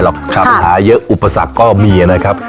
ปัญหาเยอะอุปสรรคก็มีนะครับ